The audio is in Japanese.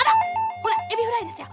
ほらエビフライですよ。